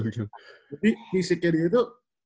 jadi fisiknya dia itu